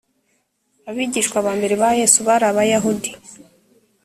abigishwa ba mbere ba yesu bari abayahudi